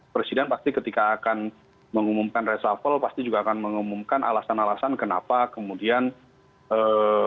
presiden pasti ketika akan mengumumkan resafel pasti juga akan mengumumkan alasan alasan kenapa kemudian ee